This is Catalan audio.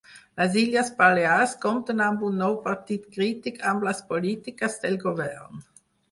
Les Illes Balears compten amb un nou partit crític amb les polítiques del govern